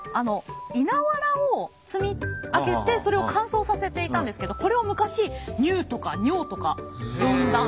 稲わらを積み上げてそれを乾燥させていたんですけどこれを昔にゅうとかにょおとか呼んだんですよね。